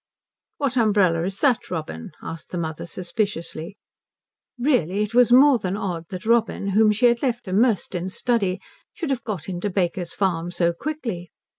"What umbrella is that, Robin?" asked his mother suspiciously. Really, it was more than odd that Robin, whom she had left immersed in study, should have got into Baker's Farm so quickly.